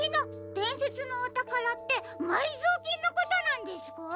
でんせつのおたからってまいぞうきんのことなんですか？